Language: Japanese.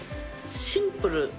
シンプル。